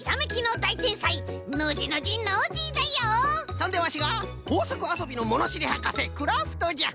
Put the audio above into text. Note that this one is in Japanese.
そんでワシがこうさくあそびのものしりはかせクラフトじゃ！